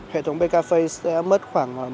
hệ thống bkphi sẽ mất khoảng